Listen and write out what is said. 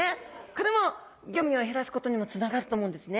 これもゴミを減らすことにもつながると思うんですね。